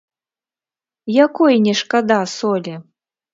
Якой не шкада солі?